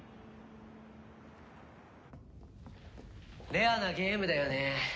レアなゲームだよね。